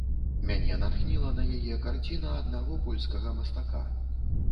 Мяне натхніла на яе карціна аднаго польскага мастака.